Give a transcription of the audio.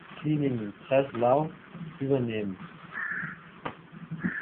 Kliniken Breslau" übernehmen.